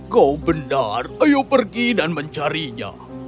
kau benar ayo pergi dan mencarinya